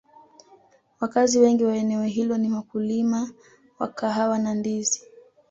wakazi wengi wa eneo hilo ni wakulima wa kahawa na ndizi